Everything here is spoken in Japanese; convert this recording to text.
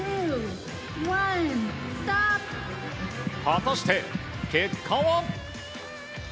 果たして結果は。